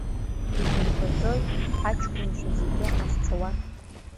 Ибымбаӡои ҳаҷкәынцәа зегьы ахьцауа.